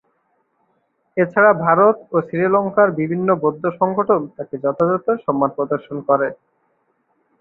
এছাড়া ভারত ও শ্রীলঙ্কার বিভিন্ন বৌদ্ধ সংগঠন তাকে যথাযথ সম্মান প্রদর্শন করে।